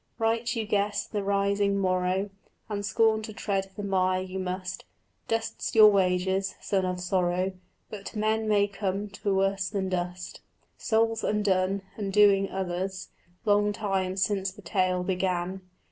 Right you guessed the rising morrow And scorned to tread the mire you must: Dust's your wages, son of sorrow, But men may come to worse than dust. Souls undone, undoing others, Long time since the tale began.